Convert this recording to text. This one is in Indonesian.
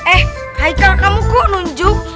eh hai kak kamu kok nunjuk